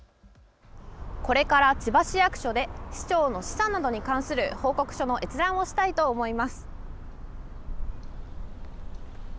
これから千葉市役所で市長の資産などに関する報告書の閲覧をしたいと思います。